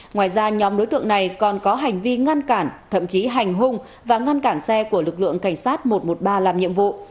ngoài ra nhóm đối tượng này còn có hành vi ngăn cản thậm chí hành hung và ngăn cản xe của lực lượng cảnh sát một trăm một mươi ba làm nhiệm vụ